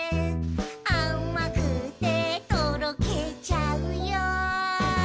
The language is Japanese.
「あまくてとろけちゃうよ」